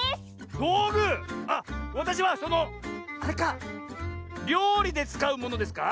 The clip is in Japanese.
あっわたしはそのあれかりょうりでつかうものですか？